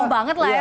hebo banget lah ya